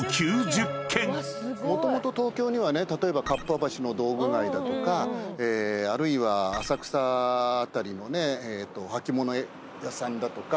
もともと東京にはね例えばかっぱ橋の道具街だとかあるいは浅草辺りのねはきもの屋さんだとか。